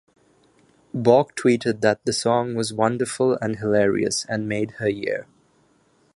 Balk tweeted that the song was "wonderful and hilarious" and made her year.